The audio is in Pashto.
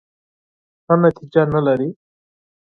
ښه نتیجه نه لري .